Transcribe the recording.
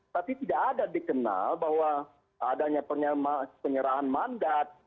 tapi tidak ada dikenal bahwa adanya penyerahan mandat